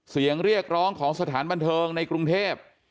เสียงเรียกร้องของสถานบันเทิงในกรุงเทพ